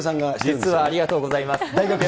実はありがとうございます。